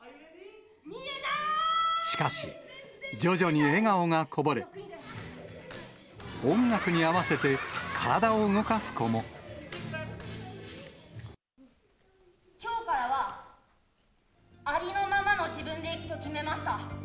しかし、徐々に笑顔がこぼれ、音楽に合わせて、きょうからは、ありのままの自分でいくと決めました。